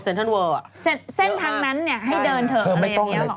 เส้นทางนั้นให้เดินเถอะอะไรอย่างนี้หรอ